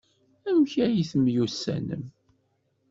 Amek ay temyussanem?